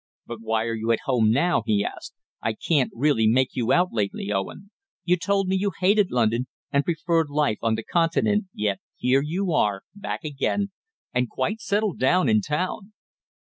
"But why are you at home now?" he asked. "I can't really make you out lately, Owen. You told me you hated London, and preferred life on the Continent, yet here you are, back again, and quite settled down in town!"